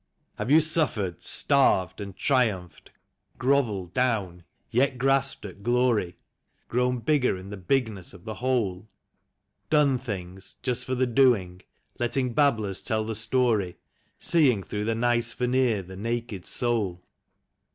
Have you suffered, starved and triumphed, grovelled down, yet grasped at irlnry. Grown bigger in the bigness of the whole? THE CALL OF THE WILD. 21 "Done things " just for the doing, letting babblers tell the story, Seeing through the nice veneer the naked soul